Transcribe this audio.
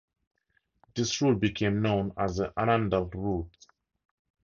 This route became known as "the Annandale Route".